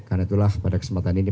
karena itulah pada kesempatan ini